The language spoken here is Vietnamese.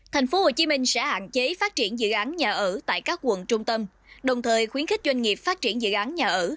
tp hcm sẽ hạn chế phát triển dự án nhà ở tại các quận trung tâm đồng thời khuyến khích doanh nghiệp phát triển dự án nhà ở